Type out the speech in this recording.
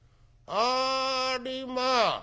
「ありまあ！